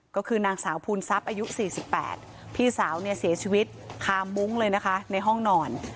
ก็คือนางสาวภูนทรัพย์อายุ๔๘พี่สาวเนี่ยเสียชีวิตคามุ้งเลยนะคะในห้องนอน